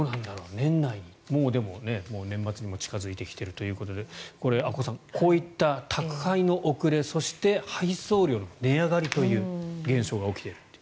年内にもうでも、年末も近付いてきているということでこれ、阿古さんこういった宅配の遅れそして、配送料の値上がりという現象が起きていると。